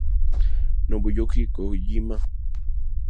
Nobuyuki Kojima